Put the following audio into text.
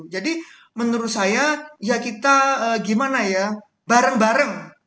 jadi menurut saya ya kita gimana ya bareng bareng